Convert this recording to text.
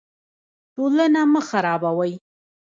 ټولنه مه خرابوئ